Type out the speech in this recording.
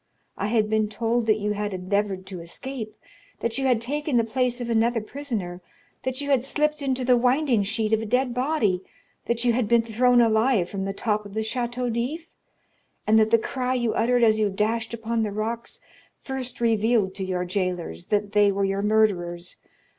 I had been told that you had endeavored to escape; that you had taken the place of another prisoner; that you had slipped into the winding sheet of a dead body; that you had been thrown alive from the top of the Château d'If, and that the cry you uttered as you dashed upon the rocks first revealed to your jailers that they were your murderers.